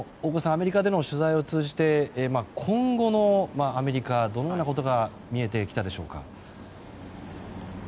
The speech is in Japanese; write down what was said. アメリカでの取材を通じて今後のアメリカどのようなことが見えてきたでしょうか。